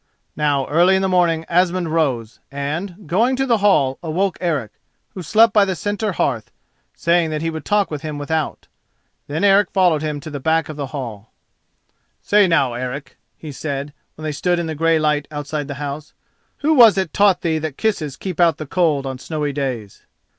Now, early in the morning Asmund rose, and, going to the hall, awoke Eric, who slept by the centre hearth, saying that he would talk with him without. Then Eric followed him to the back of the hall. "Say now, Eric," he said, when they stood in the grey light outside the house, "who was it taught thee that kisses keep out the cold on snowy days?"